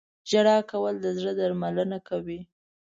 • ژړا کول د زړه درملنه کوي.